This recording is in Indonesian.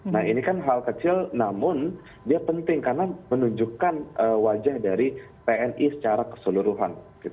nah ini kan hal kecil namun dia penting karena menunjukkan wajah dari tni secara keseluruhan